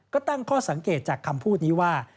ก็ตั้งข้อสังเกตจากคำพูดนี้ว่า